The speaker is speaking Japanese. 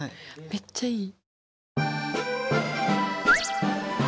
めっちゃいい。